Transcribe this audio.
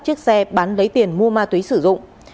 chiếc xe bán lấy tiền mua ma túy sử dụng